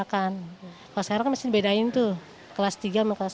kalau sekarang kan mesti dibedain tuh kelas tiga sama kelas satu